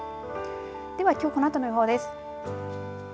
ではきょうこのあとの予報です。